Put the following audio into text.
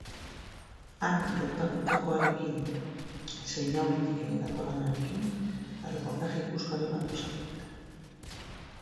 Han gertatutakoarekin zein aurretik egindako lanarekin, erreportaje ikusgarri bat osatu dute.